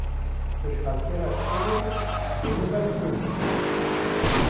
Tu ji xelkê re kur î, ji min re gur î.